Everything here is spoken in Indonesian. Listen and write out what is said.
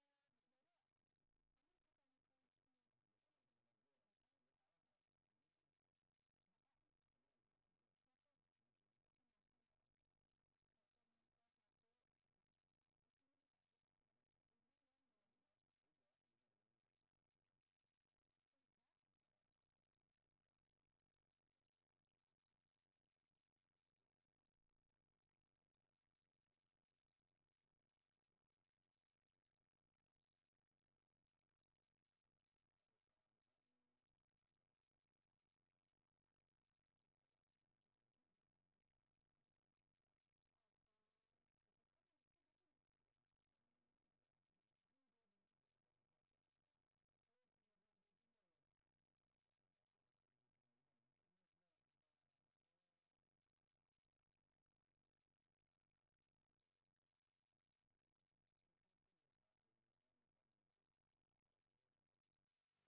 cnn indonesia breaking news